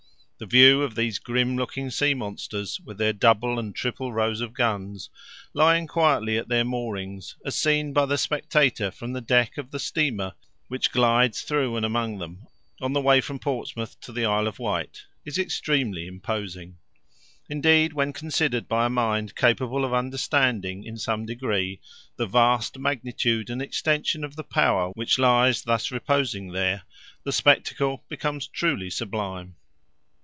The view of these grim looking sea monsters, with their double and triple rows of guns, lying quietly at their moorings, as seen by the spectator from the deck of the steamer which glides through and among them, on the way from Portsmouth to the Isle of Wight, is extremely imposing. Indeed, when considered by a mind capable of understanding in some degree the vast magnitude and extension of the power which lies thus reposing there, the spectacle becomes truly sublime.